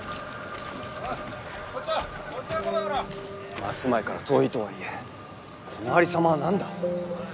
松前から遠いとはいえこのありさまは何だ？